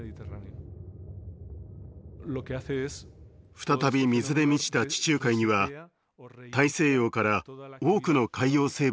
再び水で満ちた地中海には大西洋から多くの海洋生物がやって来ました。